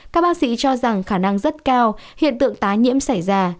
các bác sĩ cho rằng khả năng rất cao hiện tượng tái nhiễm xảy ra